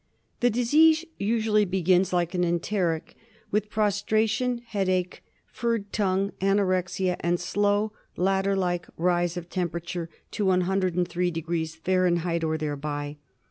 The disease usually begins, like an enteric, with prostration, headache, furred tongue, anorexia and slow ladder like rise of temperature to 103° Fahr. or thereby.